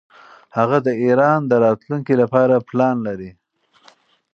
هغه د ایران د راتلونکي لپاره پلان لري.